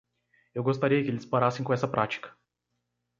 Eu gostaria que eles parassem com essa prática.